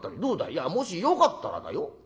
いやもしよかったらだよ。